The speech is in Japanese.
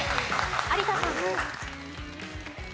有田さん。